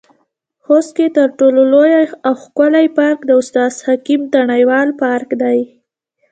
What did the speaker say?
خوست کې تر ټولو لوى او ښکلى پارک د استاد حکيم تڼيوال پارک دى.